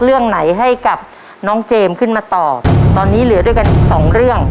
เรื่องไหนให้กับน้องเจมส์ขึ้นมาตอบตอนนี้เหลือด้วยกันอีกสองเรื่อง